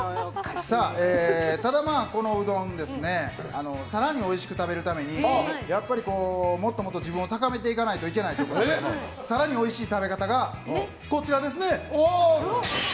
ただ、このうどん更においしく食べるためにもっと自分を高めていかないといけないと更においしい食べ方がこちらですね。